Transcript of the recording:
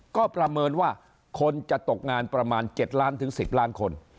ก็ประเมินว่าคนจะตกงานประมาณ๗ล้านถึง๑๐ล้านคน